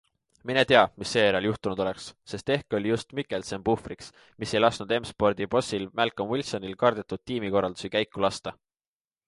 Mine tea, mis seejärel juhtunud oleks, sest ehk oli just Mikkelsen puhvriks, mis ei lasknud M-Spordi bossil Malcolm Wilsonil kardetud tiimikorraldusi käiku lasta.